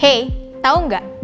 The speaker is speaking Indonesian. hei tau gak